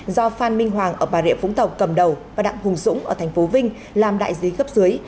do phan minh hoàng ở bà rịa vũng tàu cầm đầu và đặng hùng dũng ở tp vinh làm đại dế gấp dưới